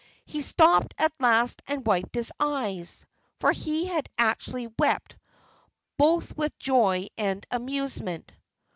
He stopped at last and wiped his eyes for he had actually wept, both with joy and amusement.